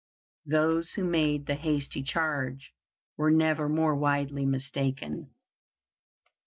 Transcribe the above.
Those who made the hasty charge were never more widely mistaken.